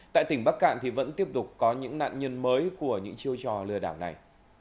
tại tỉnh bắc cạn thì vẫn tiếp tục có những nạn nhân mới của những chiêu trò lừa đảo này